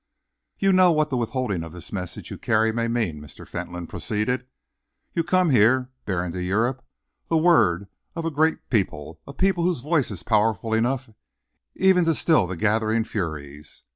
"You know what the withholding of this message you carry may mean," Mr. Fentolin proceeded. "You come here, bearing to Europe the word of a great people, a people whose voice is powerful enough even to still the gathering furies.